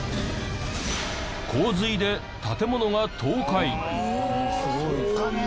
洪水で建物が倒壊！